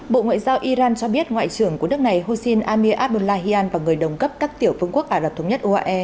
bộ ngoại giao iran cho biết ngoại trưởng của nước này housin amir abdullahian và người đồng cấp các tiểu phương quốc ả rập thống nhất uae